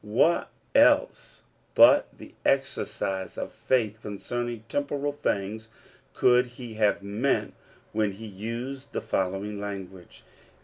What else but the exercise of faith concern ing temporal things could he have meant when he used the following language